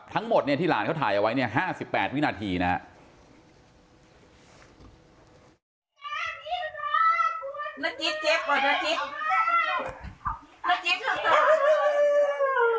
ทั้งหมดที่หลานเขาถ่ายเอาไว้๕๘วินาทีนะครับ